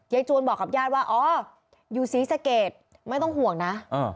จวนบอกกับญาติว่าอ๋ออยู่ศรีสะเกดไม่ต้องห่วงนะ